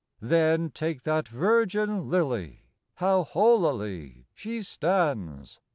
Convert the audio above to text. Then take that virgin lily, How holily she stands